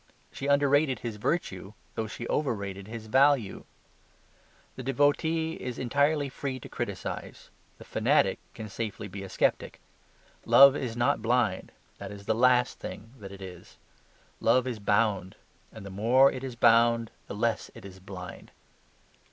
She underrated his virtue, though she overrated his value. The devotee is entirely free to criticise; the fanatic can safely be a sceptic. Love is not blind; that is the last thing that it is. Love is bound; and the more it is bound the less it is blind.